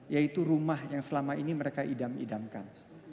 yaitu rumah yang selama ini mereka idam idamkan